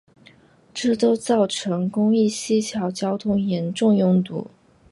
这都造成公益西桥交通严重拥堵。